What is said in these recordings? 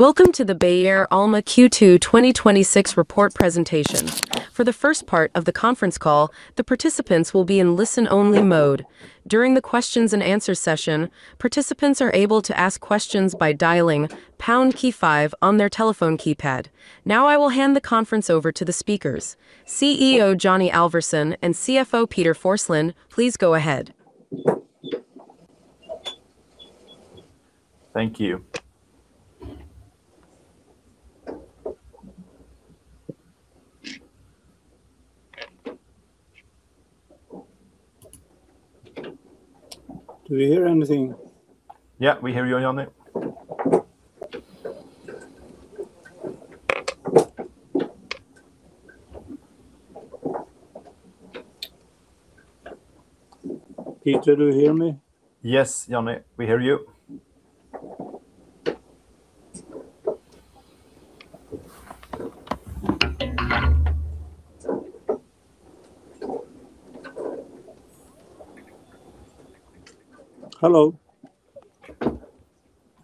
Welcome to the Beijer Alma Q2 2026 report presentation. For the first part of the conference call, the participants will be in listen-only mode. During the questions and answers session, participants are able to ask questions by dialing pound key five on their telephone keypad. Now I will hand the conference over to the speakers, CEO Johnny Alvarsson and CFO Peter Forslund. Please go ahead. Thank you. Do we hear anything? Yeah, we hear you, Johnny. Peter, do you hear me? Yes, Johnny, we hear you. Hello.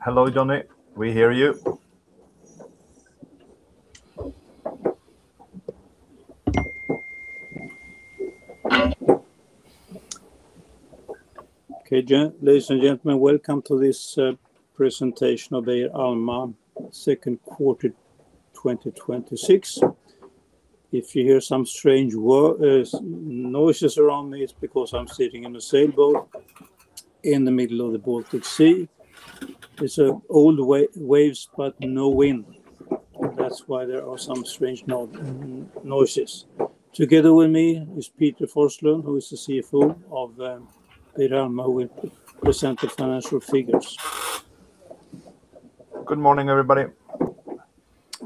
Hello, Johnny. We hear you. Okay, ladies and gentlemen, welcome to this presentation of Beijer Alma second quarter 2026. If you hear some strange noises around me, it's because I'm sitting in a sailboat in the middle of the Baltic Sea. It's old waves, but no wind. That's why there are some strange noises. Together with me is Peter Forslund, who is the CFO of Beijer Alma, will present the financial figures. Good morning, everybody.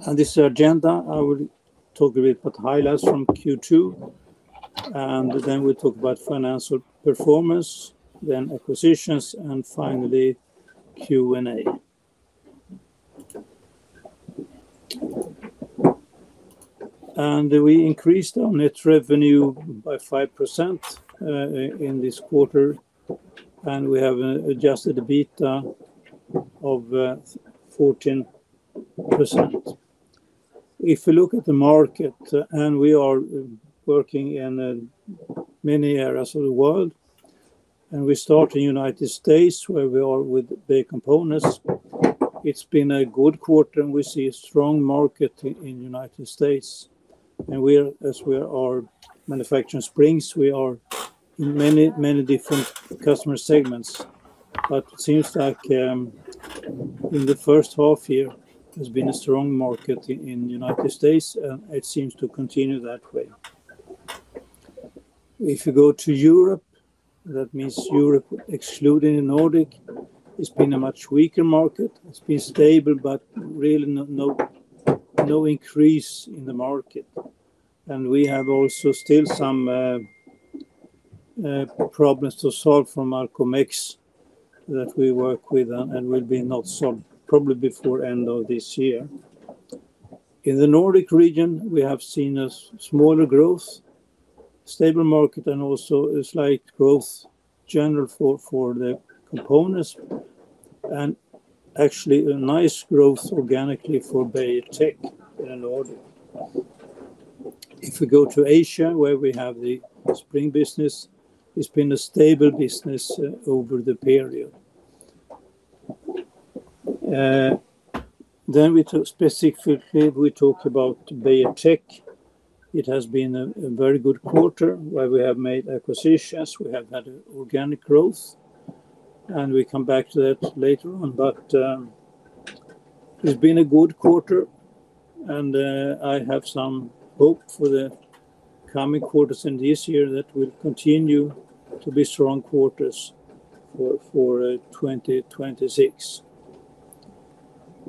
On this agenda, I will talk a bit about highlights from Q2, and then we'll talk about financial performance, then acquisitions, and finally Q&A. We increased our net revenue by 5% in this quarter, and we have adjusted EBITDA of 14%. If you look at the market, and we are working in many areas of the world, and we start in United States where we are with the components. It's been a good quarter, and we see a strong market in United States. As we are manufacturing springs, we are in many different customer segments, but it seems like in the first half year, there's been a strong market in United States, and it seems to continue that way. If you go to Europe, that means Europe excluding the Nordic, it's been a much weaker market. It's been stable, but really no increase in the market. We have also still some problems to solve from Alcomex that we work with and will be not solved probably before end of this year. In the Nordic region, we have seen a smaller growth, stable market, and also a slight growth general for the components, and actually a nice growth organically for Beijer Tech in the Nordic. If we go to Asia, where we have the spring business, it's been a stable business over the period. Specifically we talk about Beijer Tech. It has been a very good quarter where we have made acquisitions, we have had organic growth, and we come back to that later on. It's been a good quarter, and I have some hope for the coming quarters in this year that will continue to be strong quarters for 2026.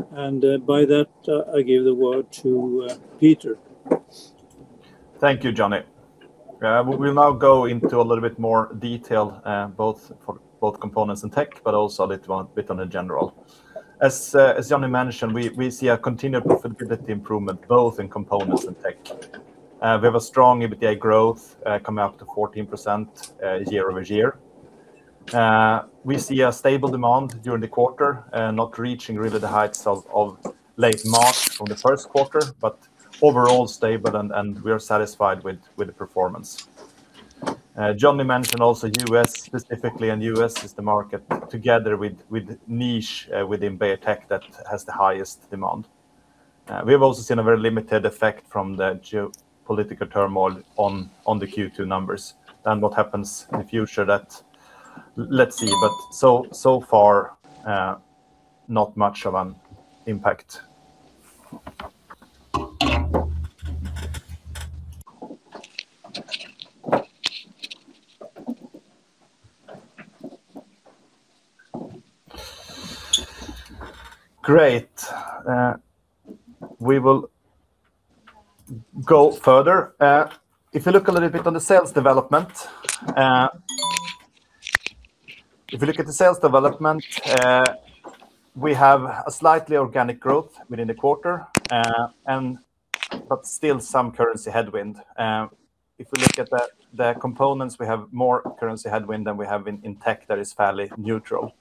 By that, I give the word to Peter. Thank you, Johnny. We'll now go into a little bit more detail both for both components and tech, but also a little bit on the general. As Johnny mentioned, we see a continued profitability improvement both in components and tech. We have a strong EBITDA growth coming up to 14% year-over-year. We see a stable demand during the quarter, not reaching really the heights of late March from the first quarter, but overall stable and we are satisfied with the performance. Johnny mentioned also U.S. specifically, and U.S. is the market together with niche within Beijer Tech that has the highest demand. We've also seen a very limited effect from the geopolitical turmoil on the Q2 numbers than what happens in the future that, let's see, but so far, not much of an impact. Great. We will go further. Looking a little bit on the sales development, we have a slightly organic growth within the quarter. Still some currency headwind. Looking at the components, we have more currency headwind than we have in Beijer Tech that is fairly neutral.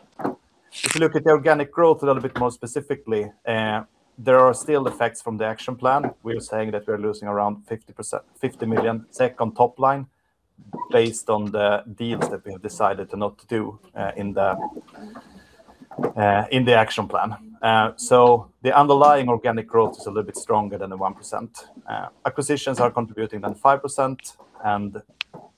Looking at the organic growth a little bit more specifically, there are still effects from the action plan. We are saying that we are losing around 50 million SEK on top line based on the deals that we have decided to not do in the action plan. The underlying organic growth is a little bit stronger than the 1%. Acquisitions are contributing than 5%.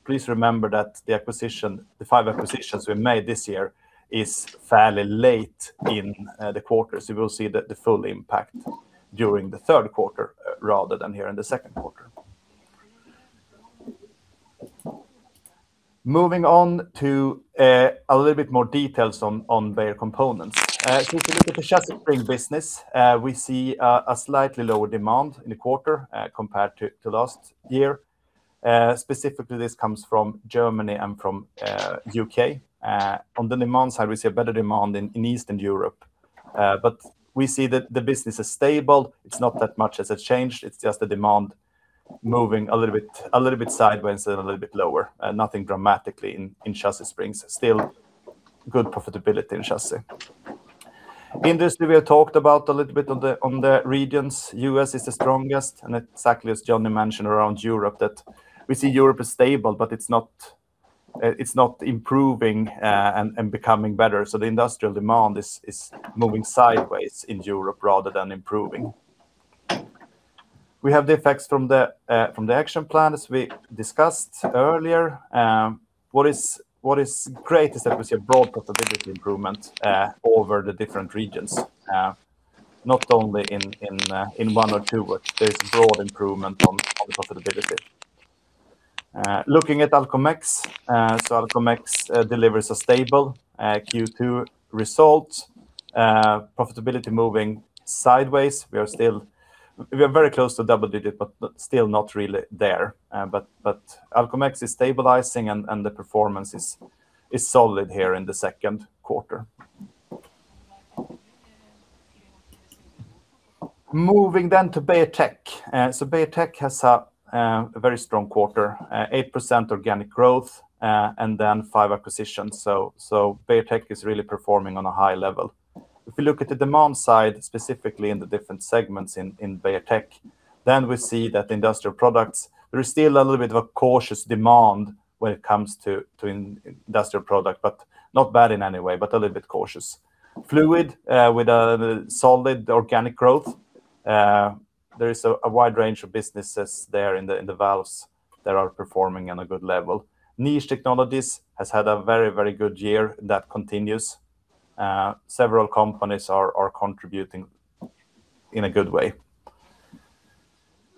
Please remember that the five acquisitions we made this year is fairly late in the quarter. We will see the full impact during the third quarter rather than here in the second quarter. Moving on to a little bit more details on Beijer Components. Looking at the Chassis Springs business, we see a slightly lower demand in the quarter compared to last year. Specifically, this comes from Germany and from U.K. On the demand side, we see a better demand in Eastern Europe. We see that the business is stable. It's not that much has changed. It's just the demand moving a little bit sideways and a little bit lower. Nothing dramatically in Chassis Springs. Still good profitability in Chassis. Industry, we have talked about a little bit on the regions. U.S. is the strongest, exactly as Johnny mentioned around Europe, that we see Europe is stable, but it's not improving and becoming better. The industrial demand is moving sideways in Europe rather than improving. We have the effects from the action plan, as we discussed earlier. What is great is that we see a broad profitability improvement over the different regions. Not only in one or two, but there's broad improvement on the profitability. Looking at Alcomex. Alcomex delivers a stable Q2 result. Profitability moving sideways. We are very close to double digit, but still not really there. Alcomex is stabilizing, and the performance is solid here in the second quarter. Moving to Beijer Tech. Beijer Tech has a very strong quarter, 8% organic growth, and five acquisitions. Beijer Tech is really performing on a high level. Looking at the demand side, specifically in the different segments in Beijer Tech, we see that industrial products, there is still a little bit of a cautious demand when it comes to industrial product, but not bad in any way, but a little bit cautious. Fluid Technology, with a solid organic growth. There is a wide range of businesses there in the valves that are performing on a good level. Niche technologies has had a very good year that continues. Several companies are contributing in a good way.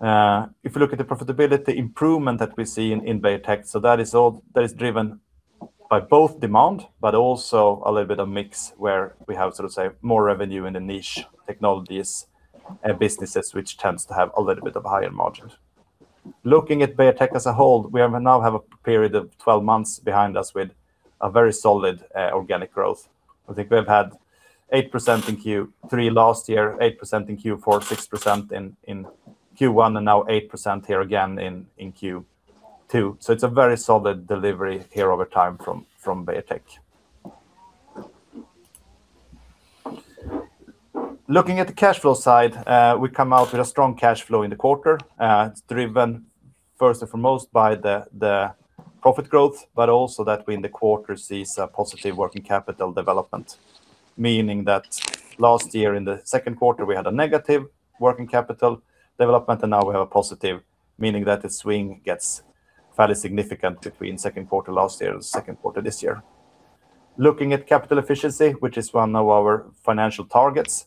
Looking at the profitability improvement that we see in Beijer Tech, that is driven by both demand, but also a little bit of mix where we have more revenue in the Niche technologies businesses, which tends to have a little bit of a higher margin. Looking at Beijer Tech as a whole, we now have a period of 12 months behind us with a very solid organic growth. I think we've had 8% in Q3 last year, 8% in Q4, 6% in Q1, and now 8% here again in Q2. It's a very solid delivery here over time from Beijer Tech. Looking at the cash flow side, we come out with a strong cash flow in the quarter. It's driven first and foremost by the profit growth, but also that we in the quarter see a positive working capital development, meaning that last year in the second quarter, we had a negative working capital development, and now we have a positive, meaning that the swing gets fairly significant between second quarter last year and second quarter this year. Looking at capital efficiency, which is one of our financial targets,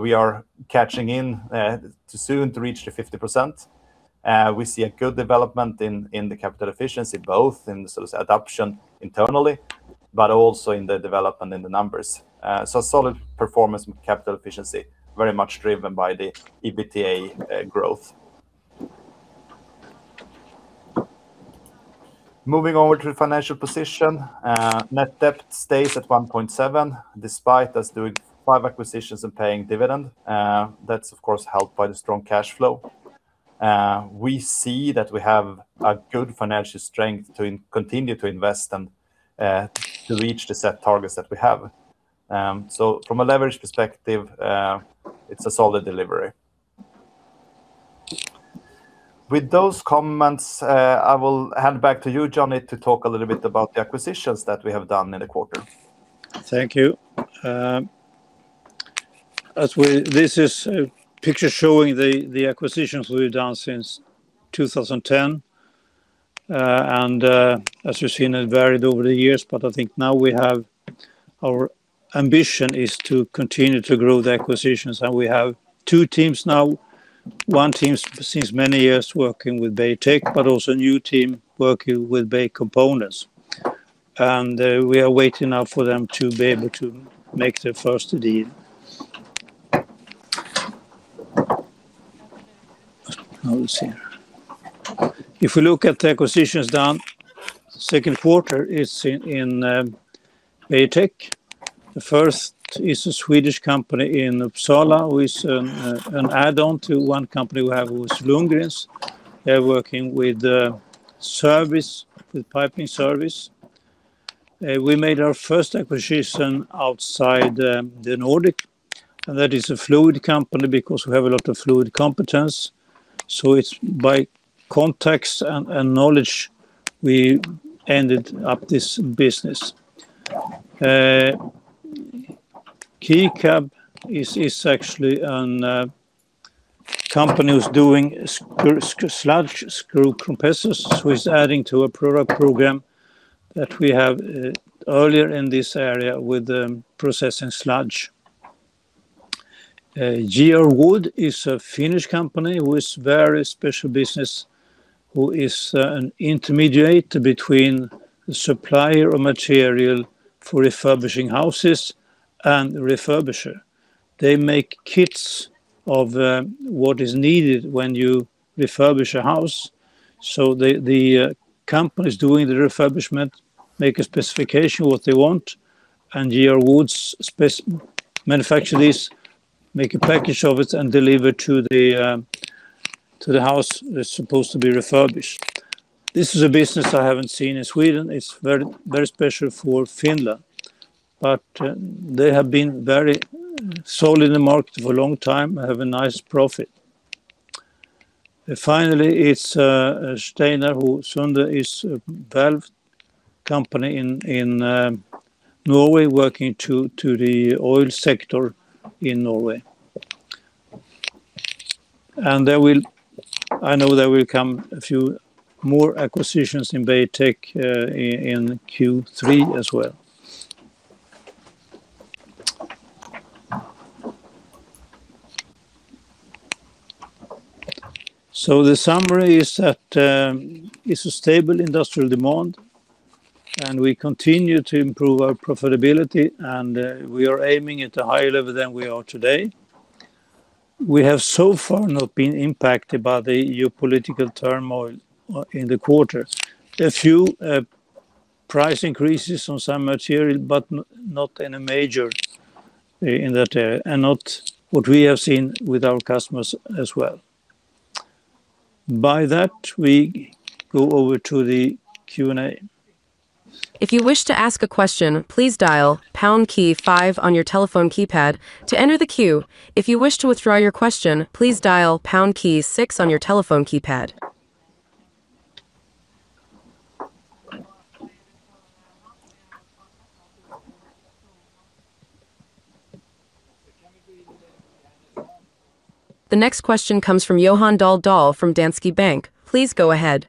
we are catching in soon to reach the 50%. We see a good development in the capital efficiency, both in the adoption internally, but also in the development in the numbers. Solid performance capital efficiency, very much driven by the EBITDA growth. Moving over to the financial position. Net debt stays at 1.7x, despite us doing five acquisitions and paying dividend. That's of course helped by the strong cash flow. We see that we have a good financial strength to continue to invest and to reach the set targets that we have. From a leverage perspective, it's a solid delivery. With those comments, I will hand back to you, Johnny, to talk a little bit about the acquisitions that we have done in the quarter. Thank you. This is a picture showing the acquisitions we've done since 2010. As you've seen, it varied over the years, but I think now our ambition is to continue to grow the acquisitions. We have two teams now, one team since many years working with Beijer Tech, but also a new team working with Beijer Components. We are waiting now for them to be able to make their first deal. If we look at the acquisitions done, second quarter is in Beijer Tech. The first is a Swedish company in Uppsala, who is an add-on to one company we have with Lundgrens. They're working with piping service. We made our first acquisition outside the Nordic, and that is a fluid company, because we have a lot of fluid competence. It's by context and knowledge we ended up this business. KICAB is actually a company who's doing sludge screw press, who is adding to a product program that we have earlier in this area with processing sludge. JR-Wood is a Finnish company who is very special business, who is an intermediate between supplier of material for refurbishing houses and refurbisher. They make kits of what is needed when you refurbish a house. The companies doing the refurbishment make a specification what they want, and JR-Wood manufacture this, make a package of it, and deliver to the house that's supposed to be refurbished. This is a business I haven't seen in Sweden. It's very special for Finland. They have been very solid in the market for a long time, have a nice profit. Finally, it's Steinar & Sunde who is a valve company in Norway, working to the oil sector in Norway. I know there will come a few more acquisitions in Beijer Tech in Q3 as well. The summary is that it's a stable industrial demand, we continue to improve our profitability, and we are aiming at a higher level than we are today. We have so far not been impacted by the geopolitical turmoil in the quarter. A few price increases on some material, but not in a major in that area, not what we have seen with our customers as well. By that, we go over to the Q&A. If you wish to ask a question, please dial pound key five on your telephone keypad to enter the queue. If you wish to withdraw your question, please dial pound key six on your telephone keypad. The next question comes from Johan Dahl from Danske Bank. Please go ahead.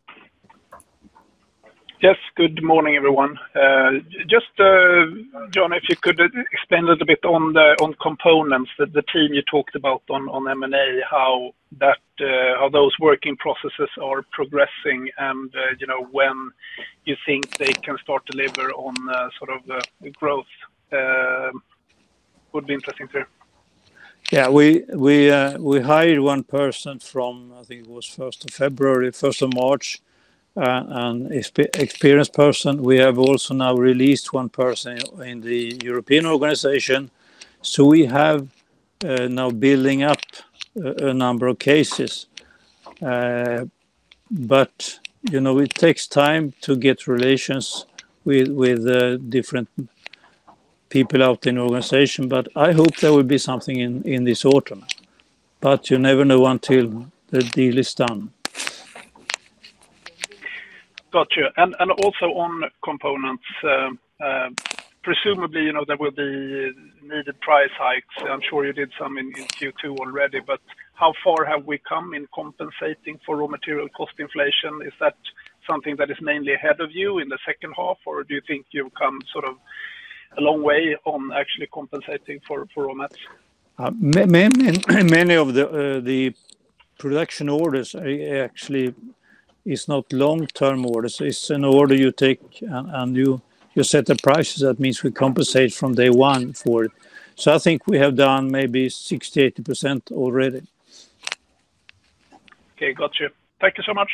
Yes, good morning, everyone. Just, John, if you could expand a little bit on components that the team you talked about on M&A, how those working processes are progressing when you think they can start deliver on growth would be interesting to hear. We hired one person from, I think it was 1st of February, 1st of March, an experienced person. We have also now released one person in the European organization. We have now building up a number of cases. It takes time to get relations with different people out in the organization. I hope there will be something in this autumn. You never know until the deal is done. Got you. Also on components, presumably, there will be needed price hikes. I am sure you did some in Q2 already, but how far have we come in compensating for raw material cost inflation? Is that something that is mainly ahead of you in the second half, or do you think you have come a long way on actually compensating for raw materials? Many of the production orders actually is not long-term orders. It is an order you take and you set the prices. That means we compensate from day one for it. I think we have done maybe 60%-80% already. Okay, got you. Thank you so much.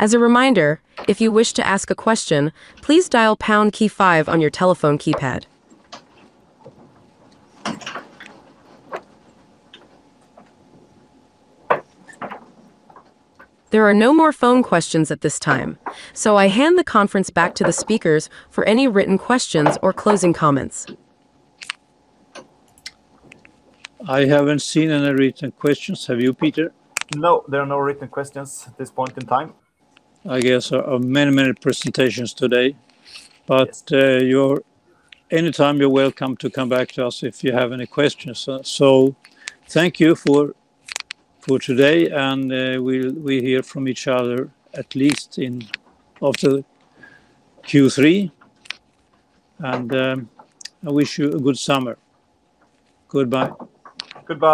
As a reminder, if you wish to ask a question, please dial pound key five on your telephone keypad. There are no more phone questions at this time. I hand the conference back to the speakers for any written questions or closing comments. I haven't seen any written questions. Have you, Peter? No, there are no written questions at this point in time. I guess many presentations today. Yes. Anytime you're welcome to come back to us if you have any questions. Thank you for today, and we hear from each other at least in after Q3. I wish you a good summer. Goodbye. Goodbye.